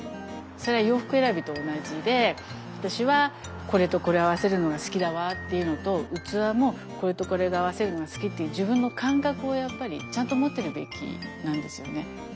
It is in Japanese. それは洋服選びと同じで私はこれとこれ合わせるのが好きだわっていうのと器もこれとこれで合わせるのが好きっていう自分の感覚をやっぱりちゃんと持ってるべきなんですよね。